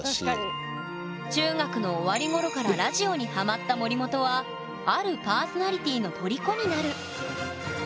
中学の終わりごろからラジオにハマった森本はあるパーソナリティーのとりこになる